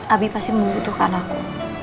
abi pasti membutuhkan aku